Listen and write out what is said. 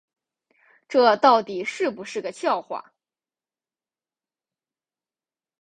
这到底是不是个笑话